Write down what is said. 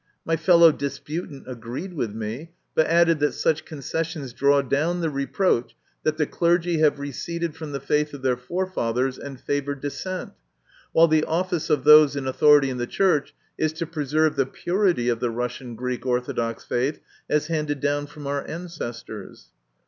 My fellow disputant agreed with me, but added that such concessions draw down the reproach that the clergy have receded from the faith of their forefathers and favour dissent, while the office of those in authority in the Church is to preserve the purity of the Russian Greek Orthodox faith as handed down from our ancestors.